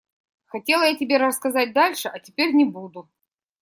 Хотела я тебе рассказать дальше, а теперь не буду.